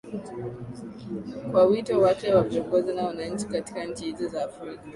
kwa wito wako kwa viongozi na wananchi katika nchi hizi za afrika